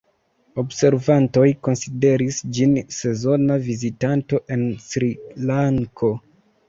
Observantoj konsideris ĝin sezona vizitanto en Srilanko.